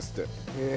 へえ！